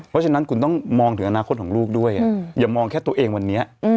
เพราะฉะนั้นคุณต้องมองถึงอนาคตของลูกด้วยอย่ามองแค่ตัวเองวันนี้